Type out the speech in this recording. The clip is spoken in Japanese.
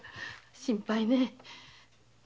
心配ねえ。